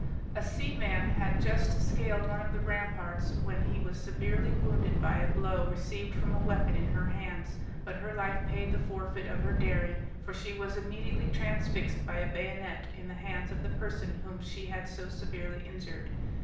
A seaman had just scaled one of the ramparts, when he was severely wounded by a blow received from a weapon in her hands, but her life paid the forfeit of her daring, for she was immediately transfixed by a bayonet in the hands of the person whom she had so severely injured.